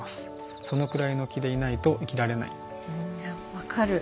分かる。